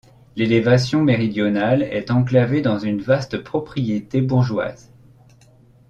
L'élévation méridionale est enclavée dans une vaste propriété bourgeoise.